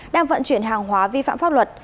đang vận chuyển hàng hóa vi phạm pháp luật